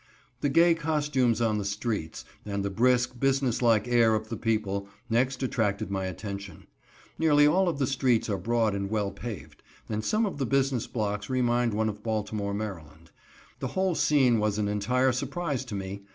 The gay costumes on the streets, and the brisk, business like air of the people, next attracted my attention. Nearly all of the streets are broad and well paved, and some of the business blocks remind one of Baltimore, Md. The whole scene was an entire surprise to me.